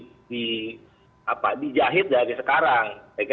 tapi harus dijahit dari sekarang